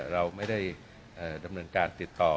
เราไม่ได้ดำเนินการติดต่อ